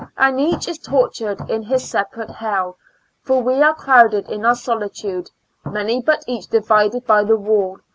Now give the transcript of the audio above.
And each is tortured in his separate hell — For we are crowded in our solitude — Many, but each, divided by the wall.